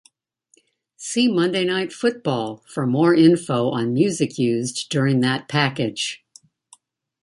See "Monday Night Football" for more info on music used during that package.